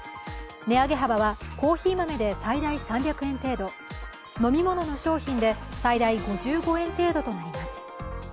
値上げ幅はコーヒー豆で最大３００円程度飲み物の商品で最大５５円程度となります。